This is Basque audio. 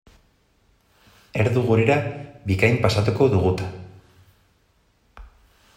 Erdu gurera bikain pasatuko dugu eta.